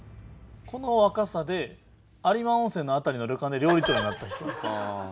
このわかさで有馬温泉の辺りの旅館で料理長になった人。